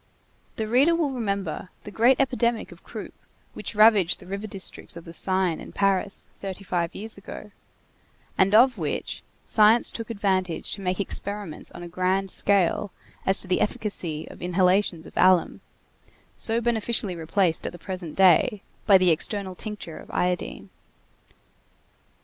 The reader will remember the great epidemic of croup which ravaged the river districts of the Seine in Paris thirty five years ago, and of which science took advantage to make experiments on a grand scale as to the efficacy of inhalations of alum, so beneficially replaced at the present day by the external tincture of iodine.